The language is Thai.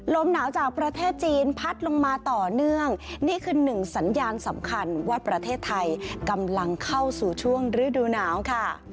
ลมหนาวจากประเทศจีนพัดลงมาต่อเนื่องนี่คือหนึ่งสัญญาณสำคัญว่าประเทศไทยกำลังเข้าสู่ช่วงฤดูหนาวค่ะ